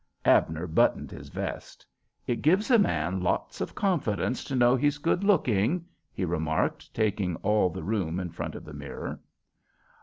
Abner buttoned his vest. "It gives a man lots of confidence to know he's good looking," he remarked, taking all the room in front of the mirror.